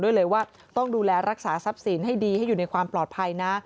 เลยว่าต้องดูแลรักษาทรัพย์สินให้ดีให้อยู่ในความปลอดภัยนะ